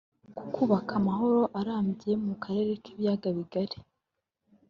ku kubaka amahoro arambye mu Karere k’Ibiyaga bigari